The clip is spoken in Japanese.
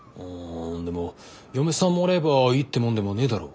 でも嫁さんもらえばいいってもんでもねえだろ。